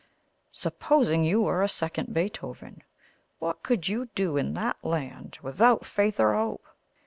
Supposing you were a second Beethoven, what could you do in that land without faith or hope?